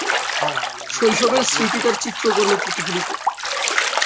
শৈশবের স্মৃতি তার চিত্রকর্মে প্রতিফলিত।